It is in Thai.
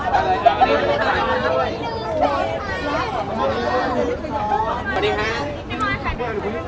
สวัสดีครับ